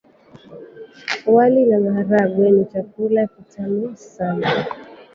Wali na maharagwe ni chakula kitamu sana.